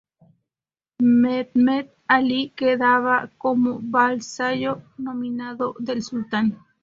Mehmet Alí quedaba como vasallo nominal del sultán.